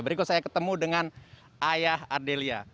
berikut saya ketemu dengan ayah ardelia